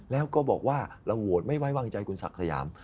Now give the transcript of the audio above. แล้วก็บอกว่าเราโหวตไม่ไว้วางใจคุณศักดิ์สยาม